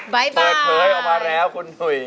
บ๊ายบายเปิดเผยออกมาแล้วคุณหนุ่ย